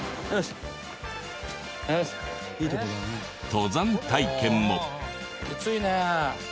登山体験も。